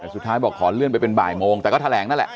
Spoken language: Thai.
แต่สุดท้ายบอกขอเลื่อนไปเป็นบ่ายโมงแต่ก็แถลงนั่นแหละ